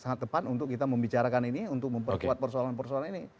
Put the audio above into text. sangat tepat untuk kita membicarakan ini untuk memperkuat persoalan persoalan ini